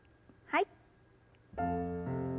はい。